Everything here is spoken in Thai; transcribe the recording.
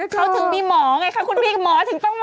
เขาถึงมีหมอไงคะคุณพี่หมอถึงต้องมา